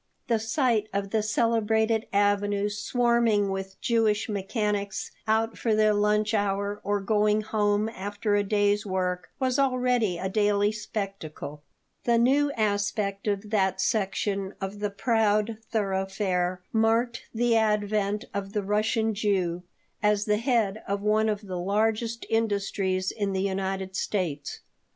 The sight of the celebrated Avenue swarming with Jewish mechanics out for their lunch hour or going home after a day's work was already a daily spectacle The new aspect of that section of the proud thoroughfare marked the advent of the Russian Jew as the head of one of the largest industries in the United States.